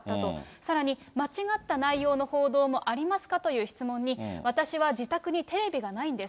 さらに間違った内容の報道もありますか？という質問に、私は自宅にテレビがないんです。